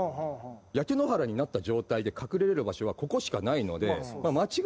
焼け野原になった状態で隠れれる場所はここしかないので。